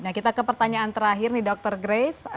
nah kita ke pertanyaan terakhir nih dokter grace